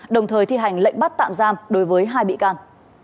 đồng thời thi hành lệnh bắt tạm giam đối với hai bị can